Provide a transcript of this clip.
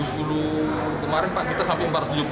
kemarin kita sampai